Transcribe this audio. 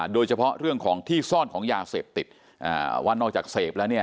โดยเฉพาะเรื่องของที่ซ่อนของยาเสพติดว่านอกจากเสพแล้วเนี่ย